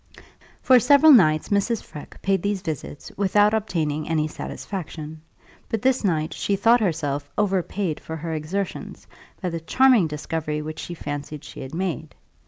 For several nights Mrs. Freke paid these visits without obtaining any satisfaction; but this night she thought herself overpaid for her exertions, by the charming discovery which she fancied she had made.